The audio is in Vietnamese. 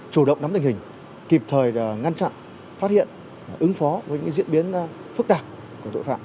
chủ động nắm tình hình kịp thời ngăn chặn phát hiện ứng phó với những diễn biến phức tạp của tội phạm